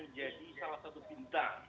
menjadi salah satu bintang